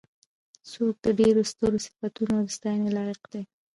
څوک د ډېرو سترو صفتونو او د ستاینې لایق دی.